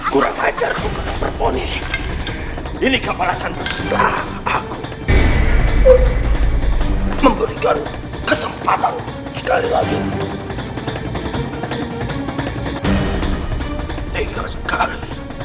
kurang ajar kututup poni ini kebalasan segera aku memberikan kesempatan sekali lagi